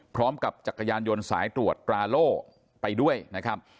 พร้อมกับจักรยานยนต์สายตรวจปราโล่ไปด้วยนะครับ